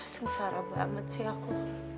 sengsara banget sih aku